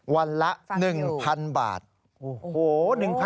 วันละฟังอยู่วันละ๑๐๐๐บาทโอ้โฮ